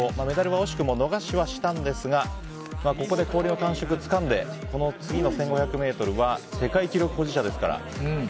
メダルは惜しくも逃しはしたんですがここで氷の感触をつかんでこの次の１５００ｍは世界記録保持者ですから。